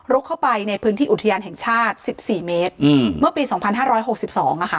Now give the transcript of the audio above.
เข้าไปในพื้นที่อุทยานแห่งชาติสิบสี่เมตรอืมเมื่อปีสองพันห้าร้อยหกสิบสองอ่ะค่ะ